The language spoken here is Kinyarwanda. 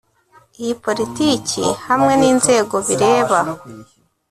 iyi Politiki hamwe n’Inzego bireba.